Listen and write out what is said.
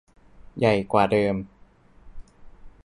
ใหญ่กว่าเดิม